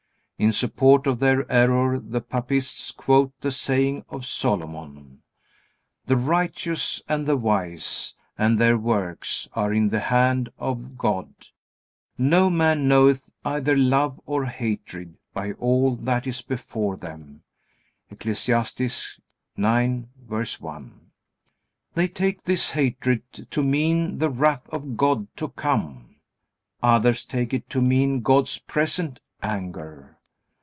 In support of their error the papists quote the saying of Solomon: "The righteous, and the wise, and their works, are in the hand of God: no man knoweth either love or hatred by all that is before them." (Eccles. 9:1.) They take this hatred to mean the wrath of God to come. Others take it to mean God's present anger.